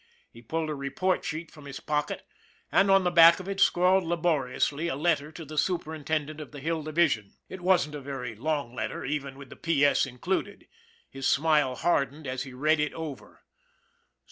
He pulled a report sheet from his pocket, and on the back of it scrawled laboriously a letter to the superintendent of the Hill Division. It wasn't a very long letter even with the P. S. included. His smile hardened as he read it over.